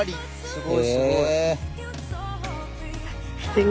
すごいすごい。